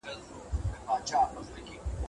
هر ځوان بايد خپل فکري لوری روښانه کړي.